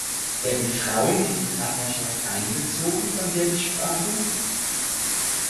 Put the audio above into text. Werden Frauen in die Partnerschaft einbezogen, von der Sie sprachen?